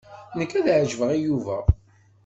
Nekk ad ɛejbeɣ Yuba.